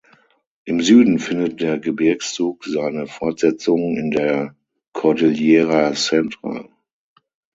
Im Süden findet der Gebirgszug seine Fortsetzung in der Cordillera Central.